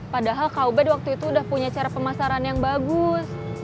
padahal kau bed waktu itu udah punya cara pemasaran yang bagus